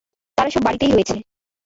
তারা সব বাড়িতেই রয়েছে।